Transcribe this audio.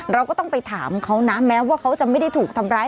เราก็ต้องไปถามเขานะแม้ว่าเขาจะไม่ได้ถูกทำร้าย